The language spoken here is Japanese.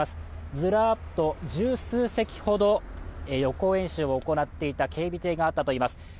ずらっと十数隻ほど予行演習を行っていた船があったということです。